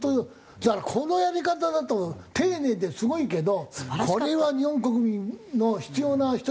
だからこのやり方だと丁寧ですごいけどこれは日本国民の必要な人に全部打つ時間はないだろうと。